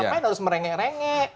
kenapa harus merengek rengek